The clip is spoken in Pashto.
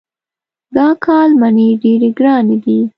دا کال مڼې ډېرې ګرانې دي.